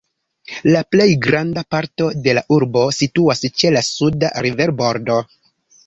La plej granda parto de la urbo situas ĉe la suda riverbordo.